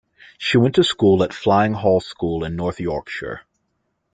She went to school at Fyling Hall School in North Yorkshire.